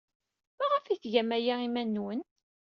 Maɣef ay tgam aya i yiman-nwen?